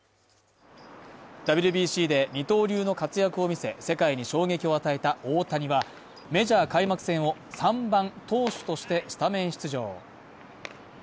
ＷＢＣで二刀流の活躍を見せ、世界に衝撃を与えた大谷はメジャー開幕戦を３番投手としてスタメン出場。